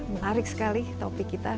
menarik sekali topik kita